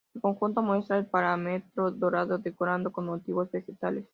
El conjunto muestra el paramento dorado decorado con motivos vegetales.